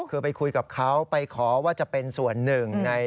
คือไปคุยกับเขาไปขอว่าจะเป็นส่วนหนึ่ง